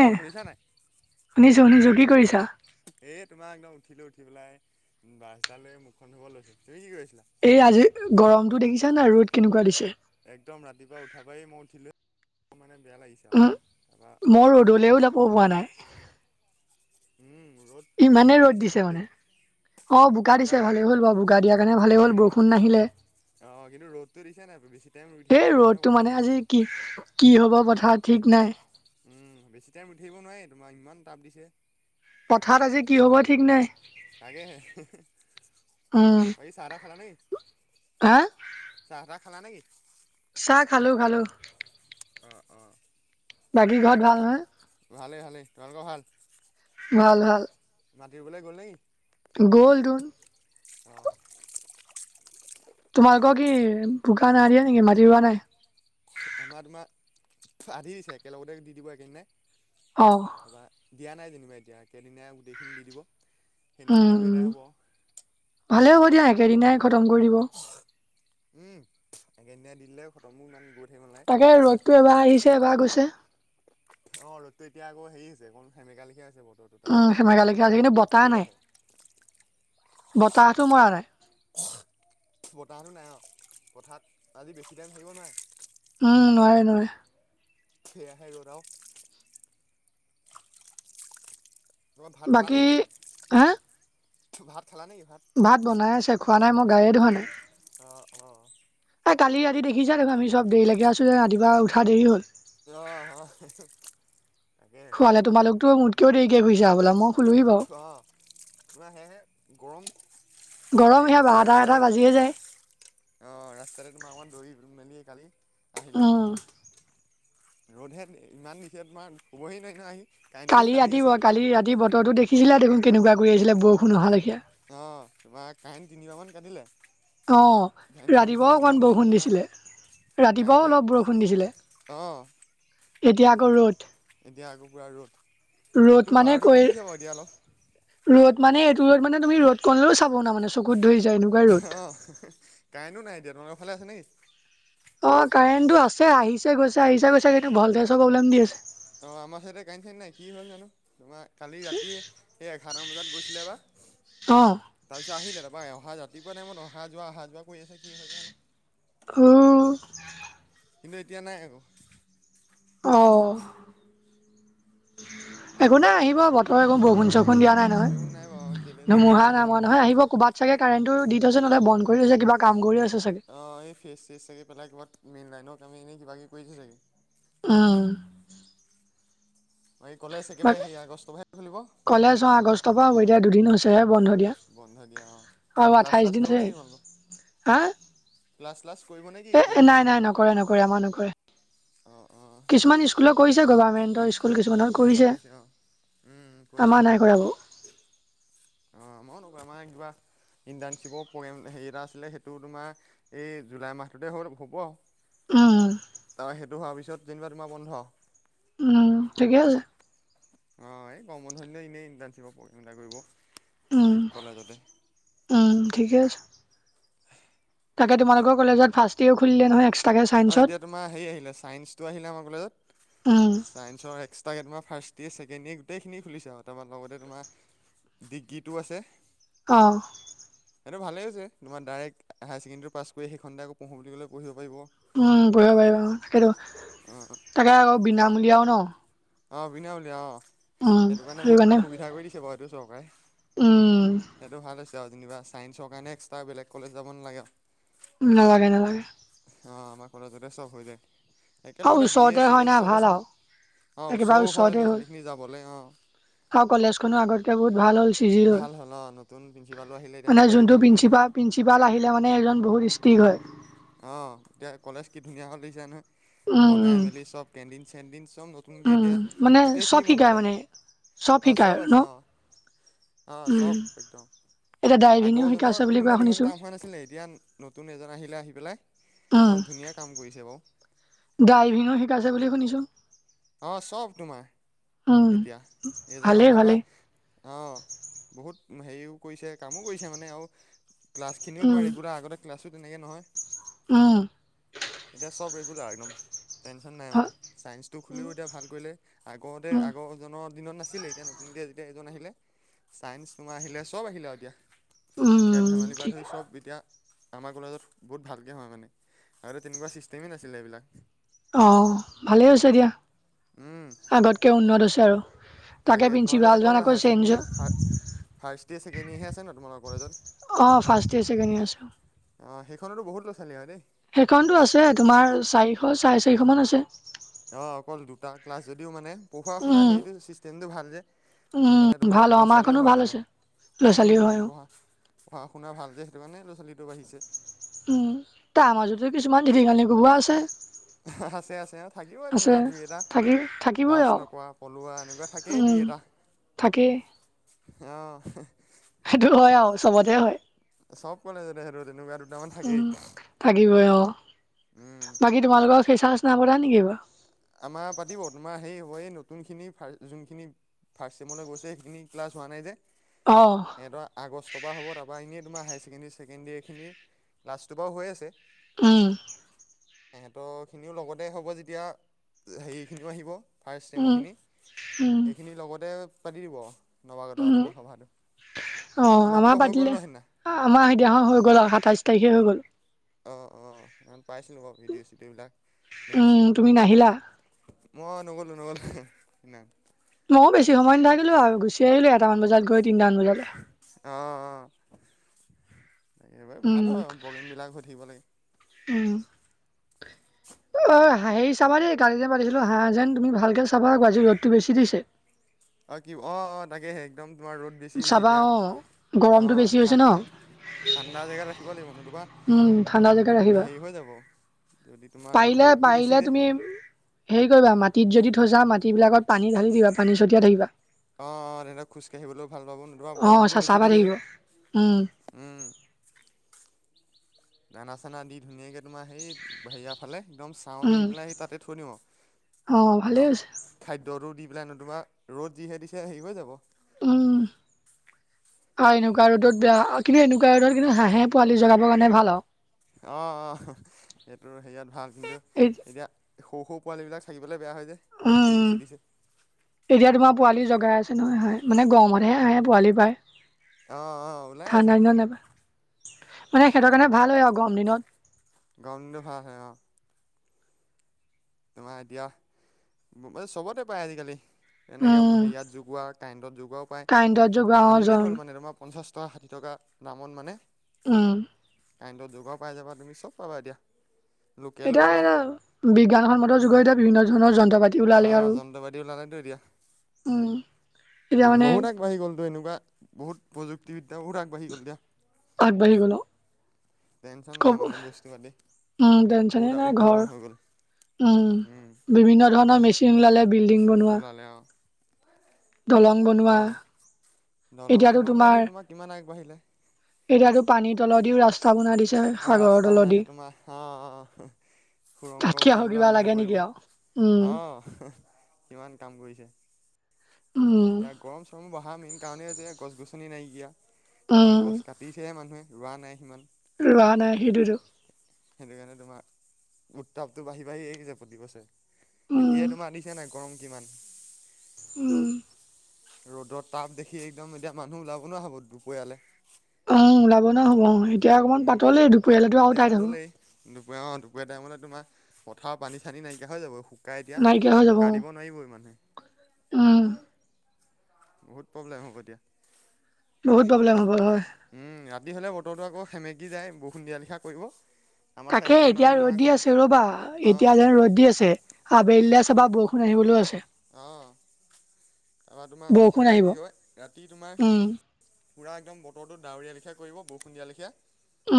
অ', শুনিছা নে নাই? শুনিছোঁ, শুনিছোঁ কি কৰিছা? এ, তোমাৰ একদম উঠিলোঁ। উঠি পেলাই ব্ৰাজডালে লৈ মুখখন ধুব লৈছোঁ। তুমি কি কৰিছিলা? এই আজি গৰমটো দেখিছা নে নাই? ৰ'দ কেনেকুৱা দিছে। একদম ৰাতিপুৱা উঠাপাই মই উঠি লৈ, মানে বেয়া লাগিছ- উম, এবা, মই ৰ'দলেও যাব পৰা নাই উম, ৰ'দ- ইমানে বোকা ৰ'দ দিছে নে মানে। অ', বোকা বোকাত দিছে ভালে হ'ল বাৰু বুক- বোকা দিয়াৰ কাৰণে ভালে হ'ল বৰষুণ নাহিলে। অ', কিন্তু ৰ'দতো দিছে নে নাই? বেছি টাইম ৰৈ এই থাকিব নোৱাৰি ন ৰ'দটো মানে পথাৰত। আজি কি, কি হ'ব পথাৰত ঠিক নাই। উম, বেছি টাইম ৰৈ থাকিব নোৱাৰি তোমাৰ, ইমান টাপ দিছে। পথাৰত আজি কি হ'ব ঠিক নাই। তাকে, উম, বাকী চাহ-তাহ খালা নে‌কি? হা চাহ-তাহ খালা নেকি? চাহ খালোঁ খালোঁ। অ', অ'। বাকী ঘত ভাল? [unintelligible] ভালে হালে তোমালোকৰ ভাল? ভাল ভাল। মাতি ৰোবলে গ'ল নে ই? গ'ল দুন অ', তোমালোকৰ কি বোকা নাই দিয়া নিকি মাটি ৰোৱা নাই? আমাৰ দোমা আধি দিছে একেলগতে দি দিব একেদিনাই অ', [unintelligible] দিয়া নাই যেনিবা এতিয়া, একেদিনাই গোটেইখিনি দি দিব। উম, সেইদনাখনে ৰুই উম। এদাই হ'ব। ভালে হ'ব দিয়া একেদিনাই খতম কৰি দিব। উম, একেদিনাই দিললে খটমো ইমান গৈ থাকিব নালাগে তাকেই ৰ'তটো এবাৰ আহিছে এবাৰ গৈছে। অ, ৰ'তটো এতিয়া আকৌ হেৰি হৈছে, কণ সেমেকা লেখিয়া [unintelligible] বতৰ উম, সেমেকা লেখিয়া আজি কিন্তু বতা নাই, বতাহটো মৰা নাই। বতাহতো নাই অ, পথাত আজি বেছি টাইম থাকিব নোৱাৰে উম, নোৱাৰে। [unintelligible] সেইয়াহে ৰ'দ আউ। ভাত খালা? বাকী হা [unintelligible] ভাত খালা [unintelligible] ভাত? ভাত বনাই আছে খোৱা নাই মই গায়ে ধোৱা নাই। অ, অ', হা কালি ৰাতি দেখিচা [unintelligible] আমি চব দেৰিলেকে আছো যে ৰাতিপুৱা উঠা দেৰি হ'ল। অ, হ [unintelligible] তাকে। শোৱালে তোমালোকতো মোতকেও দেৰিকে হোইছা হবলা ম অ, [unintelligible] হেয়েহে গৰম [unintelligible] [unintelligible] অ, গৰম সেয়া বাৰটা এটা বাজিয়ে যায় ৰাস্তাতে তোমা অকণমান দৌৰি [unintelligible] মেলি কালি আহিলো। উম ৰ'দহে ইমান দিছে তোমাৰ হ'বহি। [unintelligible] কালি ৰাতি ব, কালি ৰাতি বতৰটো দেখিছিলা দেখোন কেনেকুৱা কৰি আইছিলে বষুণ নহালৈকে। অ, তোমাৰ কাৰেণ তিনিবামান কাটিলে। অ, ফেন চেন ৰাতিপুৱাও চলাবও অকণৱান নোৱাৰি বষুণ তোমাৰ দিছিলে। কাৰেণ্ট ৰাতিপুৱাও চেন অলপ বৰষুণ দিছিলে, অঁ এতিয়া আকৌ ৰ'দ। এতিয়া আকৌ পুৰা ৰ'দ, ৰ'দ ৰ'দটো মানে পাৱাৰটো কৈ কমিছে [unintelligible] এতিয়া অলপ। ৰ'দ মানে এইটো ৰ'দ মানে তুমি ৰ'দ কণলেও চাব নামানে চকুত ধৰি যায়নো। অ, কাৰেণো নাই দিয়া [unintelligible] ফালে আছে নেকি? অ, কাৰেণটো আছে আহিছে গৈছে আহিছে গৈছে কিতু ভলঢে'চ পব্লেম দি আছে। অ, আমাৰ ছাইডে কাৰেণ চাৰেণ নাই কি হ'ল নানো তোমা কালি ৰাতিয়ে হে এঘাৰটামান বজাত গৈছিলে বা অ', তাৰ পিছে আহিলে, [unintelligible] এ অহা ৰাতিপুৱা টাইমত অহা যোৱা আহা যোৱা কৰি আছে কি হৈছে আনো? [unintelligible] কিন্তু এতিয়া নাই। [unintelligible] অ', তাকে একো নাই সেইটো আহিব বতৰ [unintelligible] বষুণ চষুণ দিয়া নাই বৰষুণ নহয়, চৰষুণ নাই বাৰু কেলে তেনেকুৱা কৰি ধুমুহা আছে নাই জানো মৰা নহয় আহিব কবাত চাগে কাৰেণটোৰ দি থৈছে নলে বন কৰি [unintelligible] কিবা কাম কৰি আছে চাগে। অ, এই ফেইচ চেইচ চাগে পেলাই ক'বাত মেইনলাইনত আমি এনেই কিবা কিবি [unintelligible] চাগে। উম। এই ক'লেজ একেবাৰে বাকী সেই আগষ্টৰ পৰাহে খোলিব? কলেজ অ' আগষ্টৰ পৰা হব। এতিয়া দুদিন হৈছেহে বন্ধ দিয়া। বন্ধ দিয়া অ, আৰু ক্লাছ আঠাইশ শ্লাছ দিন কৰিব আছে নে কি তোমালোকৰ? হা ক্লাছ শ্লাছ কৰিব নে কি এ গৰম বন্ধ নাই নাই দিনত? নকৰে নকৰে আমাৰ নকৰে। অ অ। কিছুমান স্কুলৰ কৰিছে গভাৰ্মেণ্টৰ স্কুল কিছুমানৰ কৰিছে। উম কৰিছে আমাৰ নাই সিহঁতৰখিনি কৰা বাৰু। অ আমাৰো নকৰে আমাৰ কিবা- ইণ্টাৰ্ণশ্বিপৰ প্ৰগ্ৰেম হেৰি এটা আছিলে সেইটো তোমাৰ এই জুলাই মাহটোতে হ' হ'ব। উম তাৰপা সেইটো হোৱাৰ তোমাৰ যেনিবা বন্ধ। উম ঠিকে আছে। অ এই গৰম বন্ধ দিলেও এনেই ইণ্টাৰ্ণশ্বিপৰ প্ৰগেম এটা উম কৰিব কলেজতে। উম ঠিকে আছে। তাকে তোমালোকৰ কলেজত ফাৰ্ষ্টইয়েৰো খুলিলে নহয় এক্স- অ এতিয়া তোমাৰ হেৰি আহিলে ছাইন্সটো আহিলে আমাৰ কলেজত উম ছাইন্সৰ এক্স- ট্ৰাকে তোমাৰ ফাৰ্ষ্ট ইয়েৰ ছেকেণ্ড ইয়েৰ গোটেইখিনি খুলিছে তাৰপা লগতে তোমাৰ- ডিগ্ৰীটো আছে। অঁ সেইটো ভালেই হৈছে তোমাৰ ডাইৰেক্ট হায় ছেকেণ্ডেৰীটো পাছ কৰি সেইখনতে আকৌ পঢ়ো বুলি কলেও পঢ়িব পাৰিব। উম পঢ়িব পাৰিব তাকেইেতো। অঁ তাতে আকৌ বিনামূলীয়াও ন। অ বিনামূলীয়া অ সেইটো কাৰণে বহুত সুবিধা কৰি দিছে বাৰু এইটো চৰকাৰে। উম সেইটো ভাল হৈছে আৰু যেনিবা চাইন্সৰ কাৰণে এক্সট্ৰা বেলেগ কলেজ যাব নালাগে আও। নালাগে নালাগে। অঁ আমাৰ কলেজতে চব হৈ যায়, আৰু একেলগতে বি ওচৰতে এ চি হয় না এ চব ভাল আছে আৰু ন। অ একেবাৰে ওচৰো হয় ওচৰতে ল'ৰা হ'ল ছোৱালীখিনি যাবলে অঁ। আৰু কলেজখনো আগতকে বহুত ভাল হ'ল চিজিল হল। ভাল অ' নতুন প্ৰিঞ্চিপালো আহিলে এতিয়া মানে কলেজো যোনটো ভাল কৰিলে প্ৰিন্ঞ্চিপাল- প্ৰিন্ঞ্চিপাল আহিলে মানে এজন বহুত ষ্ট্ৰিক হয়। অঁ এতিয়া কলেজ কি ধুনীয়া হল দেখিছা নহয় উম বনাই উম মেলি চব কেণ্টিন চেণ্টিন চব- নতুনকে উম এতিয়া মানে গোটেইখিনি চব শিকায় বনালে, মানে অ শিকায় চব আছে অঁ। ন অ উম চব একদম এতিয়া ড্ৰাইভিঙো আগৰজনৰ শিকাইছে বুলি কোৱা দিনত ইমান শুনিছো কাম হোৱা নাছিলে, এতিয়া- নতুন এজন আহিলে আহি পেলাই উম একদম ধুনীয়া কাম কৰিছে বাৰু। ড্ৰাইভিঙো শিকাইছে বুলি শুনিছো। অঁ চব তোমাৰ উম এতিয়া এইজন ভালেই অহাৰ পৰা। ভালেই অঁ বহুত হেৰিও কৰিছে কামো কৰিছে মানে আৰু- ক্লাছখিনিও উম তোমাৰ ৰেগুলাৰ আগতে ক্লাছো তেনেকে নহয়। উম এতিয়া চব ৰেগুলাৰ একদম। টেনশ্যন নাই মানে চাইন্সটো খুলিও এতিয়া ভাল কৰিলে আগতে উম আগজন- দিনত নাছিলে এতিয়া নতুনকে যেতিয়া এজন আহিলে চাইন্স তোমাৰ আহিলে চব আহিলে আৰু এতিয়া। খেল উম ধেমালি পৰা ঠিক ধৰি চব এতিয়া- আমাৰ কলেজত বহুত ভালকৈ হয় মানে, আগতে তেনেকুৱা ছিষ্টেমেই নাছিলে এইবিলাক। অঁ ভালেই হৈছে দিয়া উম আগতকে উন্নত হৈছে আৰু। তাকে প্ৰিন্ঞ্চিপালজন আকৌ change- first year second year হে আছে ন তোমালোকৰ কলেজত? অ ফাৰ্ষ্ট ইয়েৰ, ছেকেণ্ড ইয়েৰ আছে। অ সেইখনতো বহুত ল'ৰা ছোৱালী হয় দেই। সেইখনতো আছে তোমাৰ চাৰিশ, চাৰে চাৰিশ মান আছে। অ অকল দুটা ক্লাছ যদিও মানে পঢ়া-শুনা উম হেৰিটো ছিষ্টেমটো ভাল যে সেইটো উম কাৰণে তোমাৰ ভাল অ ল'ৰা আমাৰখনো ছোৱালীও হয় ভাল মানে। হৈছে ল'ৰা ছোৱালী হয় অ। পঢ়া-শুনা ভাল যে সেইটো কাৰণে ল'ৰা ছোৱালীটো বাঢ়িচে। ও তাৰ মাজতো কিছুমান ধিতিঙালি কোবোৱা আছে। আছে আছে আৰু থাকিবই আছে তেনেকুৱা দুই এটা থাকি থাকিবই লাছ আৰু নকোৱা, পলুৱা এনেকুৱা থা কেই উম দুই এটা থাকেই অ সেইটো হয় আও চবতে হয় চব কলেজতে সেটো তেনেকুৱা দুটামান উম থাকেই। থাকিবই অ উম বাকী তোমালোকৰ ফেচাৰছ নাই পতা নেকি এইবাৰ আমাৰ পাতিব তোমাৰ সেৰি হ'ব এই নতুনখিনি ফাৰ যোনখিনি ফাৰ্ষ্ট চেমলৈ গৈছে সেইখিনি ক্লাচ হোৱা নাই যে অ সিহঁতৰ আগষ্টৰ পৰা হ'ব টাৰপা এনেই তোমাৰ হায়াৰ ছেকেণ্ডেৰী ছেকেণ্ডেৰী খিনিৰ লাষ্টটো বাৰো হৈ আছে উম শেহেতৰখিনিও লগতে হ'ব যেতিয়া হেৰিখিনিও আহিব ফাৰ্ষ্ট উম চেমৰখিনি উম সেইখিনি লগতে পাতি দিব নৱাগত উম আদৰনি সভাটো অ আমাৰ তোমালোকৰ হৈ গ'ল পাতিলে ন সেইদিনা আমাৰ সেইদিনাখন হৈ গ'ল আৰু সাতাইশ তাৰিখে হৈ গ'ল। অ অ এম পাইছিলোঁ বাওঁ ভিডিঅ' চিডিঅ' বিলাক উম দেখিছিলোঁ। তুমি নাহিলা মই নগ'লো নগলো হেহ না মও বেছি সময় নাথাকিলো আৰু গুচি আহিলো এটামান বজাত গৈ তিনটা মান বজাতে অ অ এইবোৰে ভাল হয় প্ৰগ্ৰেমবিলাক উম হৈ থাকিব লাগে। উম অই হা হেৰি চাবা দেই কালি যে দিছিলো হাঁহা যেন তুমি ভালকে চাবা আকৌ আজি ৰ'দটো বেছি দিছে। অ কি অ অ তাকেহে একদম তোমাৰ ৰ'দ বেছি দিছে চাবা এতিয়া অ অ গৰমটো বেছি হৈছে ঠাণ্ ন ঠাণ্ডা জেগাত ৰাখিব লাগিব নতুবা উম ঠাণ্ডা জেগাত ৰাখিবা হেৰি হৈ যাব যদি তোমাৰ পাৰিলে ৰ'দটো বেছি পাৰিলে যে তুমি হেৰি কৰিবা মাটিত যদি থৈছা মাটি বিলাকত পানি ঢালি দিবা পানী ছটিয়াই থাকিবা। অ অ তেতিয়া খোজকাঢ়িবলৈও ভাল পাব ন অ চাচা পাই থাকিব উম। উম দানা চানা দি ধুনীয়াকৈ তোমাৰ সেই হেৰিয়াৰ ফালে একদম টাউন নি উম পেলাই তাতে থৈ নিওঁ আও অ ভালেই ন হৈছে খাদ্যটো দি পেলাই নতুবা ৰ'দ যিহে দিছে হেৰি হৈ যাব উম আৰু এনেকুৱা ৰ'দত বেয়া কিন্তু এনেকুৱা ৰ'দত কিন্তু হাঁহে পোৱা লি জগাবৰ কাৰণে ভাল আও। অ অ সেইটো হেৰিয়াত ভাল কিন্তু এই এতিয়া সৰু সৰু পোৱালীবিলাক থাকিবলৈ বেয়া হয় যে ৰ'দটো উম বেছি দিছে। এতিয়া তোমাৰ পোৱালি জগাই আছে নহয় হয় মানে গৰমতহে হাঁহে পোৱালি পায়ে। অ অ ওলাই আছে ঠাণ্ডা দিনত নেপায়ে মানে সিহঁতৰ কাৰণে ভাল হয় আৰু গৰম দিনত। গৰম দিনটো ভাষ হয় অঁ তোমাৰ এতিয়া [unintelligible] চবতে পায় আজিকালি তেনেকৈ উম হেৰিয়াত জোগোৱা কাৰেণ্টত যোগোৱাও পায় কাৰেণ্টত জগোৱা অ আনিলেই জন হ'ল মানে তোমাৰ পঞ্চাছ ষাঠি টকা নামত মানে উম কাৰেণ্টত যোগোৱা ও পাই যাবা তুমি চব পাবা এতিয়া লোকেলো এতিয়া পাবা এয়া বিজ্ঞানসন্মত যুগত এতিয়া বিভিন্ন ধৰণৰ যন্ত্ৰ পাতি ওলালে অঁ আৰু যন্ত্ৰবতি ওলালে টো এতিয়া উম এতিয়া উ মানে বহুত আগবাঢ়ি গলতো এনেকুৱা বহুত প্ৰুজোক্তিবিদ্যআঁ বহুত আগবাঢ়ি গল এতিয়া আগবাঢ়ি গল অ টেনচন নাই কব মানে বস্তু পাতি উম টেনচনে বহুত নাই উদ্ভাৱন ঘৰ হৈ গ'ল উম বিভিন্ন ধৰণৰ মেচিন ওলালে বিল্ডিং বনোৱা ভালে আও দলং বনোৱা দলং এতিয়াতো চলং বা ধৰি তোমাৰ কিমান আগবাঢ়িলে এতিয়াতো পানীৰ তলৰ দিও ৰাস্তা বনাই দিছে অ সাগৰৰ ৰাস্তা বনাই তলদি। আছে তোমাৰ অ অ সুৰংগ তাতকে আৰু বনাবলৈ কিবা আৰম্ভ লাগে নেকি কৰিব আৰু? উম, অ কিমান কাম কৰিছে উম, এতিয়া গৰম চৰমো বঢ়াৰ মেইন কাৰণেই হৈছে গছ গছনি নাইকিয়া উম। তোমাৰ গছ কাটিছেহে মানুহে ৰোৱা নাই সিমান ৰোৱা নাই সেইটোৱেই টো সেইটো কাৰণে তোমাৰ উত্তাপটো বাঢ়ি বাঢ়ি আহি আছে প্ৰতিবছৰে উম, এতিয়াই তোমাৰ আনিছে নাই গৰম কিমান উম ৰ'দৰ তাপ দেখি একদম এতিয়া মানুহ ওলাব নোৱাৰা হ'ব দুপৰীয়ালে অ ওলাব নোৱাৰা হ'ব অ এতিয়া অকণমান উম পাতলেই দুপৰীয়ালৈকে আৰু এতিয়া টাইত হব পাতলেই দুপৰীয়া অ দুপৰীয়া টাইমলে তোমাৰ পথাৰত পানী চানী নাইকিয়া হৈ যাব শুক নাইকিয়া হৈ যাব অ নোৱাৰিবই মানে উম বহুত প্ৰব্লেম হ'ব এতিয়া বহুত প্ৰব্লেম হ'ব হয় উম ৰাতি হ'লে বতৰটো আকৌ সেমেকি যায় বৰষুণ দিয়া লেখীয়া কৰিব আমাৰ তাকে ছাইডটোত মানে এতিয়া তোমাৰ ৰ'দ আকৌ দি আছে ৰ'বা এতিয়া যে ৰ'দ দি আছে আবেলিলে চাবা বৰষুণ আহিবলৈও আছে অঁ তাৰপৰা তোমাৰ বৰষুণ মুঠতে আহিব কি হয় ৰাতি তোমাৰ উম। পুৰা একদম বতৰটো ডাৱৰীয়া লেখিয়া কৰিব বৰষুণ দিয়া লেখিয়া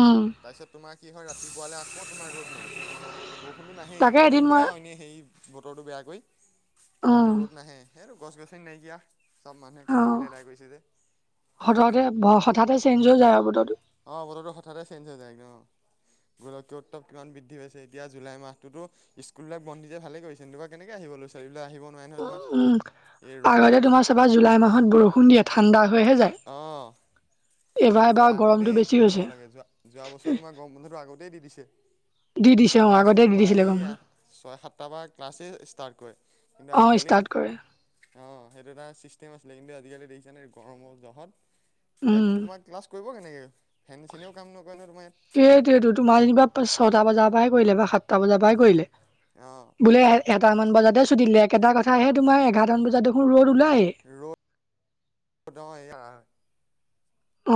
উম তাৰপিছত তোমাৰ কি হয় ৰাতিপুৱালৈ আকৌ তোমাৰ ৰ'দ মানে বৰষুণটো নাহেই তাকে এদিন মই দেখুৱাই আৰু এনেই সেই বতৰটো বেয়াকৰি কিন্তু উম ৰ'দ নাহে সেইটো গছ গছনি নাইকিয়া চব মানুহে কাটি মেলি আদায় কৰিছে যে হঠতে ব হঠাতে চেঞ্জ হৈ যায় আৰু বতৰটো অঁ বতৰটো হঠাতে চেঞ্জ হৈ যায় গে অ গোলকীয় উত্তাপ কিমান বৃদ্ধি পাইছে এতিয়া জুলাই মাহটোতো স্কুলবিলাক বন্ধ দিছে ভালেই কৰিছে নতুবা কেনেকে আহিব লৰা ছোৱালীবিলাক আহিব নোৱাৰে নহয় তোমাৰ উ উম এই ৰ'দত। আগতে তোমাৰ তাৰাপা জুলাই মাহত বৰষুণ দিয়ে ঠাণ্ডা হৈহে যায় এইবাৰ যে এবাৰ গৰমটো আগতেই বেছি দিব হৈছে লাগে যোৱা যোৱা বছৰ তোমাৰ গৰম বন্ধটো আগতেই দি দিছে। দি দিছে অ ক্লাছো আগতে দি তোমাৰ দিছিলে গম সেইয়া। ছয় সাতটাপা ক্লাছেেই ষ্টাৰ্ট কৰে কিন্তু অ আজিকালি। ষ্টাৰ্ট কৰে অঁ সেইটো এটা চিষ্টেম আছিলে কিন্তু আজিকালি দেখিছে নে গৰমৰ জহত এতিয়া উম। তোমাক। কৰিব কেনেকে ফেন চেনেও কাম নকৰে নহয় তোমাৰ ইয়াত। সেইটোৱটো তোমাৰ যেনিবা ছটা বজাৰ পৰাই কৰিলে বা সাতটা বজাৰ পৰাই কৰিলে। ইয়াত অঁ বোলে এটামান বজাতে ছুটী দিলে কেবা কথাহে তোমাৰ এঘাৰটামান বজাত দেখোন ৰ'দ ওলায়ে। ৰ' দ অ এয়া।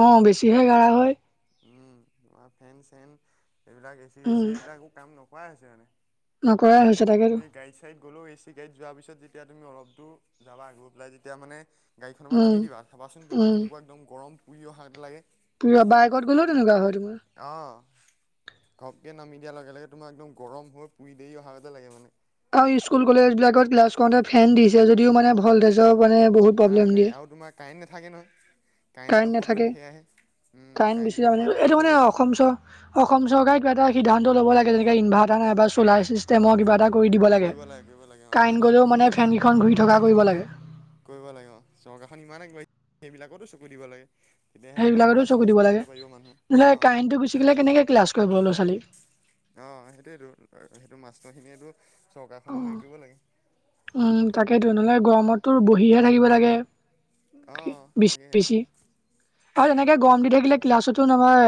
অঁ বেছি হে কাঢ়া হয়। উম তোমাৰ ফেন চেন এইবিলাক এ চি উম এচি এইবিলাক একো কাম নকৰাই হৈছে মানে। নকৰাই হৈছে তাকেতো। গাডী চাৰিড গ'লও এ চি গাড়ীত যোৱাৰ পিছত যেতিয়া তুমি অলপ দূৰ যাবা, গৈ পেলাই যেতিয়া মানে গাড়খনৰ পৰা উম নামি দিবা চাবাসোণ উম। কেনেকুৱা একদম গৰম পুৰি অহা গ লাগে। [inaudible] বাইকত গ'লও তেনেকুৱা হয় টো। অঁ', ঘপকে নামি দিয়াৰ লগে লগে তোমাৰ একদম গৰম হৈ পুৰি দেৰি অহাৰ গতে লাগে মানে। আৰু স্কুল কলেজ বিলাকত ক্লাছ কৰওঁতে ফেন দিছে যদিও মানে ভল্টেজৰ মানে বহুত প্ৰব্লেম নাই নাই, দিয়ে। আৰু তোমাৰ কাৰেণ্ট নাথাকে নহ। কাৰেণ্ট কাৰেণ্টৰ প্ৰব্লেম নাথাকে সেয়াহে, ওম', কাৰেণ্ট গুচি যায় কাৰেণ্টটো মানে তোমাৰ এইটো কাটি মানে থ'ব। অসম চ অসম চৰকাৰে কিবা এটা সিদ্ধান্ত ল'ব লাগে যেনেকৈ ইনভাৰটাৰ নাই বা চ'লাৰ ছিষ্টেমৰ কিবাটা কৰি দিব লাগে, কৰিব কৰিব লাগে অ ইমান কাৰেণ্ট গ'লেও আগবাঢ়ি মানে গৈছে চৰকাৰখন ফেনকেইখন ঘূৰি কিন্তু থকা কৰিব লাগে। কৰিব লাগে অ', চৰকাখন ইমানে [inaudible] সেইবিলাকতো চকু দিব লাগে। তেতিয়াহে তোমাৰ সেইবিলাকতো ক্লাছ চকু শ্লাছ দিব লাগে। কৰিবলে পাৰিব মানুহে, নহ'লে অঁ'। কাৰেণ্টটো গুচি গ'লে কেনেকে ক্লাছ কৰিব ল'ৰা ছোৱালী। অ', সেইটোৱেটো, সেইটো মাষ্টৰ খিনিয়েটো চৰকাৰখনেও হেৰি কৰিব লাগে। উম', তাকেইতো ন'হলে গৰমততো বহিহে থাকিব লাগে। অ কি বেছ তাকেহে বেছি আৰু তেনেকে গৰম দি থাকিলে ক্লাছতো নমাৰ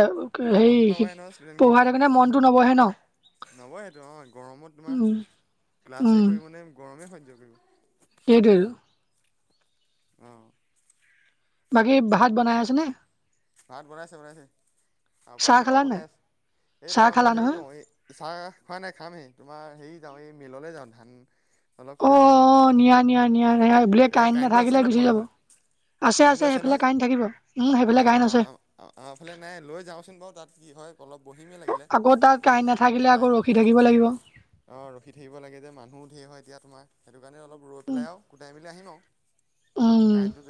মন হেৰি নবহে নহয় পহোৱাই থাকোঁতে মনতটো নবহে ন। নবহেতু অঁ', গৰমত তোমাৰ উম ক্লাছেই উম কৰিবনে গৰমেই সহ্য কৰিব। সেইটোৱেৰো। অ'। বাকী ভাত বনাই আছেনে? ভাত বনাইছে বনাইছে, খাব চাহ হ'ব খালা বনাই নাই আছে, এই চাহ তোমাৰ মই খালা হেৰি নহয় কওঁ এ চাহ খোৱা নাই, খামহে, তোমাৰ হেৰি যাওঁ এই মিললে যাওঁ ধান অলপ অ কুটাই আনোগে। অ নিয়া নিয়া নিয়া। [inaudible] বোলে কাইণ্ট আছে নাথাকিলে ন গুচি তোমালোকৰ যাব, ফালে আছে আছে, সেইফালে কাইণ্ট থাকিব, ওম, সেইফালে কাইণ্ট আছে। আমাৰফালে নাই, লৈ যাওঁচোন বাৰু তাত কি হয়। অলপ বহিমেই লাগিলে আকৌ তাত মানে কাৰেণ্ট ধানটো নাথাকিলে আকৌ কুটাই। ৰখি থাকিব লাগিব অ', ৰখি থাকিব লাগে যে, মানুহো ধে হয় এতিয়া তোমাৰ সেইটো কাৰণে অলপ ৰ পেলাই আৰু কোটাই পেলাই আহিম আও উম কাৰেণ্টো য